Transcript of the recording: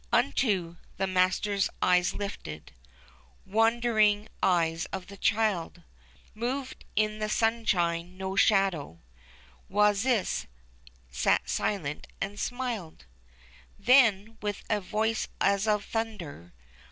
Unto the , Master's eyes lifted W ondering eyes of the child — Moved in the sunshine no shadow, Wasis sat silent and smiled. Then, with a voice as of thunder.